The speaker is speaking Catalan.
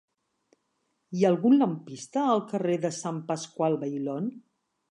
Hi ha algun lampista al carrer de Sant Pasqual Bailón?